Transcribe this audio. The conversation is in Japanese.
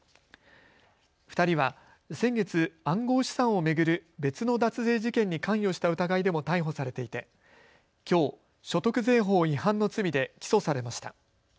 ２人は先月、暗号資産を巡る別の脱税事件に関与した疑いでも逮捕されていてきょう所得税法違反の罪で起訴されました。